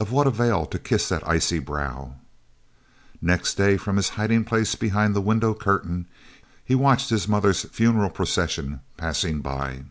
Of what avail to kiss that icy brow? Next day, from his hiding place behind the window curtain, he watched his mother's funeral procession, passing by.